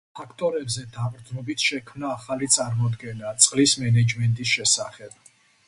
ფაქტორებზე დაყრდნობით შექმნა ახალი წარმოდგენა „წყლის მენეჯმენტის“ შესახებ.